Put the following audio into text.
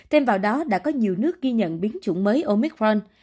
thêm vào đó đã có nhiều nước ghi nhận biến chủng mới omicron